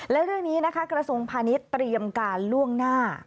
และเรื่องนี้นะคะกระทรวงพาณิชย์เตรียมการล่วงหน้า